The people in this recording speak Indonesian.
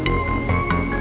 di sini saya ada